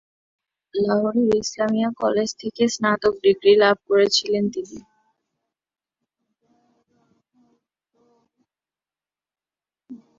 লাহোরের ইসলামিয়া কলেজ থেকে স্নাতক ডিগ্রী লাভ করেছিলেন তিনি।